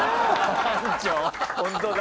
班長ホントだ。